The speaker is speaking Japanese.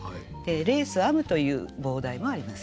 「レース編む」という傍題もあります。